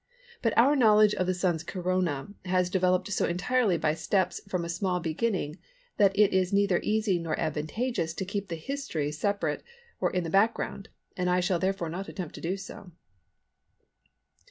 But our knowledge of the Sun's Corona has developed so entirely by steps from a small beginning that it is neither easy nor advantageous to keep the history separate or in the background and I shall therefore not attempt to do so.